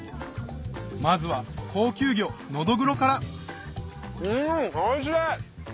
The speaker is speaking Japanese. まずは高級魚ノドグロからうんおいしい！